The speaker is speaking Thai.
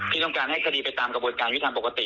ที่ต้องการให้คดีไปตามกระบวนการยุทธรรมปกติ